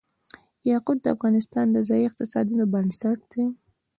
یاقوت د افغانستان د ځایي اقتصادونو بنسټ دی.